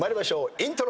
イントロ。